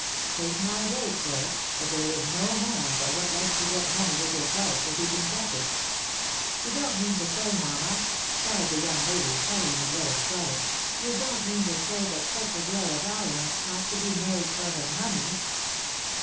Take my word for it, that there is nd man but what likes to get money with his wife, if he can catch it." " Tou don't mean to say, mamma,"^ cried the young lady, colouring as red as scarlet, "you don't mean to say that such a girl as I am ought to be married for her money